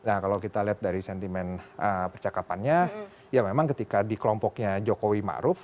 nah kalau kita lihat dari sentimen percakapannya ya memang ketika di kelompoknya jokowi ⁇ maruf ⁇